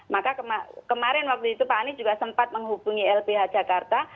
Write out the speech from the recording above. maka kemarin waktu itu pak anies juga sempat menghubungi lph jakarta